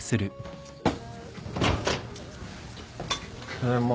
ただいま。